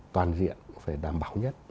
toàn diện phải đảm bảo nhất